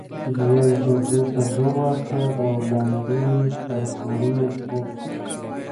بيا يې جګړې ته زور ورکړ او لمبې يې پر کورونو پورته شوې.